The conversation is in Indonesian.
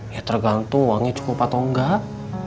ya tergantung uangnya cukup atau enggak